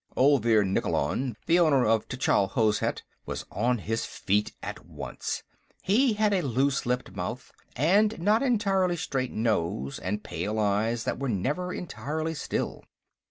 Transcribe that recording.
Olvir Nikkolon, the owner of Tchall Hozhet, was on his feet at once. He had a loose lipped mouth and a not entirely straight nose and pale eyes that were never entirely still.